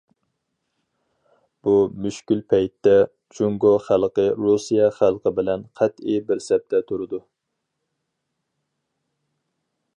بۇ مۈشكۈل پەيتتە، جۇڭگو خەلقى رۇسىيە خەلقى بىلەن قەتئىي بىر سەپتە تۇرىدۇ.